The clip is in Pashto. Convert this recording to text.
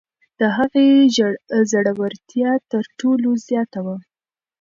د هغې زړورتیا تر ټولو زیاته وه.